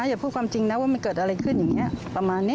อย่าพูดความจริงนะว่ามันเกิดอะไรขึ้นอย่างนี้ประมาณนี้